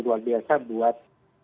luar biasa buat